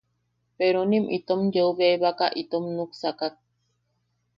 Peronim itom yeu bebaka itom nuksakak.